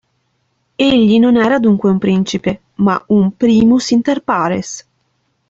Egli non era dunque un principe, ma un "primus inter pares".